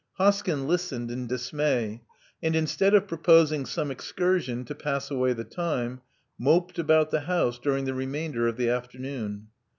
Hoskyn listened in dismay, and instead of proposing some excursion to pass away the time, moped about the house during the remainder of the afternoon.